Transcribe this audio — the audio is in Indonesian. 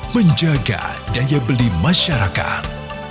menjaga daya beli masyarakat